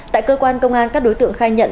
tại cơ quan công an các đối tượng khai nhận